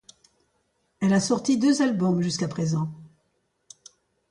Elle a sorti deux albums jusqu'à présent.